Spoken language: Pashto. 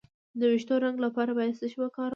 د ویښتو د رنګ لپاره باید څه شی وکاروم؟